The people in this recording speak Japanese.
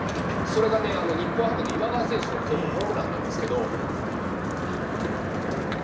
それが日本ハムの今川選手のホームランなんですけど。